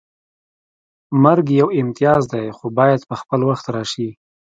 مرګ یو امتیاز دی خو باید په خپل وخت راشي